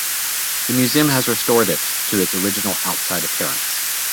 The museum has restored it to its original outside appearance.